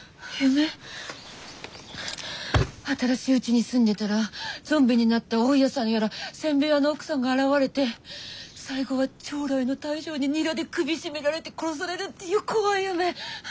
新しいうちに住んでたらゾンビになった大家さんやら煎餅屋の奥さんが現れて最後は朝來の大将にニラで首絞められて殺されるっていう怖い夢。